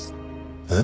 えっ？